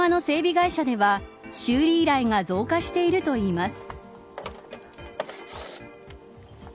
会社では修理依頼が増加しているといいます。